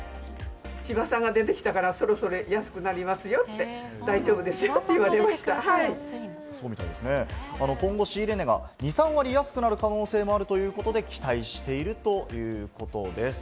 千葉産が出てきたから、そろそろ安くなりますよって、今後、仕入れ値が２、３割安くなる可能性もあるということで、期待しているということです。